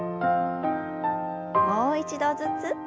もう一度ずつ。